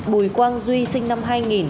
bùi quang duy sinh năm hai nghìn